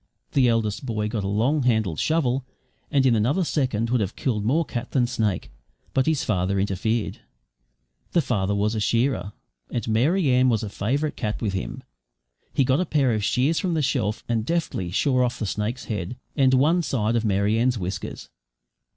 The eldest boy got a long handled shovel, and in another second would have killed more cat than snake; but his father interfered. The father was a shearer, and Mary Ann was a favourite cat with him. He got a pair of shears from the shelf and deftly shore off the snake's head, and one side of Mary Ann's whiskers.